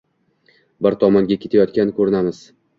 Bir tomonga ketayotgan ko'rinamiz.